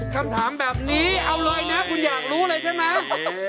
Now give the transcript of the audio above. คำถามแบบนี้เอาเลยนะคุณอยากรู้เลยใช่ไหม